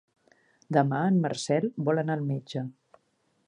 Demà en Marcel vol anar al metge.